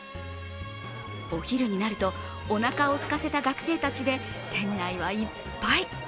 お昼になると、おなかをすかせた学生たちで店内はいっぱい。